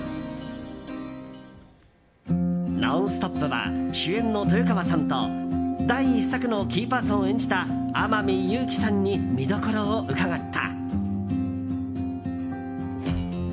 「ノンストップ！」は主演の豊川さんと第１作のキーパーソンを演じた天海祐希さんに見どころを伺った。